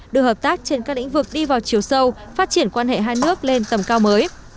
đưa hợp tác trên các lĩnh vực đi vào chiều sâu phát triển quan hệ hai nước lên tầm cao mới